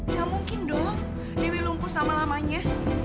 gak mungkin dong dewi lumpuh sama lamanya